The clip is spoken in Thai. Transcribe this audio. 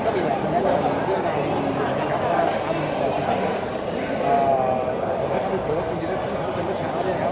ซึ่งมันก็มีแหละคนแน่นอนเรื่องราวนี้นะครับว่าราคามากกว่านี้นะครับ